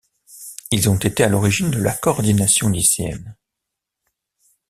Ils ont été à l'origine de la Coordination Lycéenne.